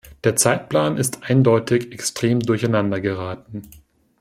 Der Zeitplan ist eindeutig extrem durcheinander geraten.